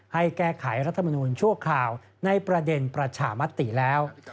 ให้แก้ไขรัฐมนูลชั่วคราวในประเด็นประชามติแล้ว